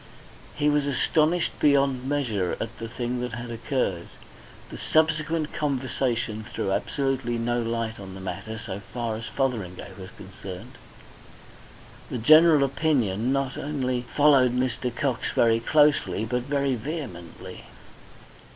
He was astonished beyond measure at the thing that had occurred. The subsequent conversation threw absolutely no light on the matter so far as Fotheringay was concerned; the general opinion not only followed Mr. Cox very closely but very vehemently.